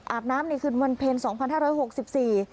อาบน้ำในคืนวันเพลงสองพันห้าร้อยหกสิบสี่